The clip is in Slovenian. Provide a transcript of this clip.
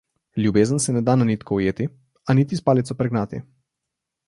Ljubezen se ne da na nitko ujeti, a niti s palico pregnati.